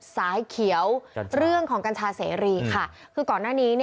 สายเขียวเรื่องของกัญชาเสรีค่ะคือก่อนหน้านี้